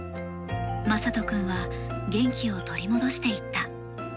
まさと君は元気を取り戻していった。